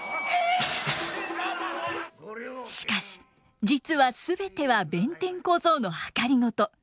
しかし実は全ては弁天小僧のはかりごと。